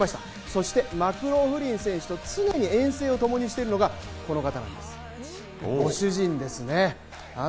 そしてマクローフリン選手と常に遠征をともにしているのがこの方なんです、ご主人ですね。